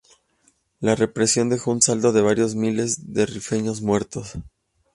La represión dejó un saldo de varios miles de rifeños muertos.